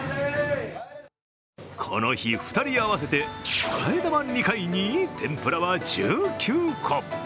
この日、２人合わせて替え玉２回に天ぷらは１９個。